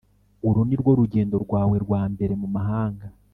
uru nirwo rugendo rwawe rwa mbere mumahanga?